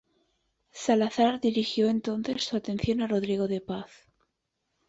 Salazar dirigió entonces su atención a Rodrigo de Paz.